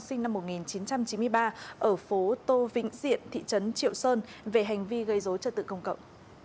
sinh năm một nghìn chín trăm chín mươi ba ở phố tô vĩnh diện thị trấn triệu sơn về hành vi gây dối trật tự công cộng